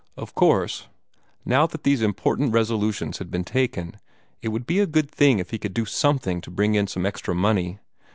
Of course, now that these important resolutions had been taken, it would be a good thing if he could do something to bring in some extra money.